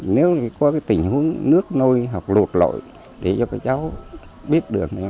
nếu có tình huống nước nôi hoặc lột lội để cho các cháu biết được